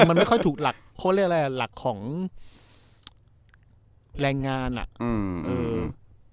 มันไม่ค่อยถูกหลักเขาเรียกอะไรอ่ะหลักของแรงงานอ่ะอืมเออ